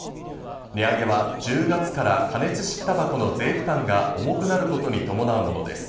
値上げは１０月から加熱式たばこの税負担が重くなることに伴うものです。